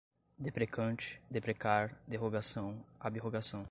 deprecante, deprecar, derrogação, ab-rogação